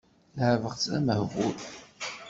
Leɛbeɣ-tt d amehbul.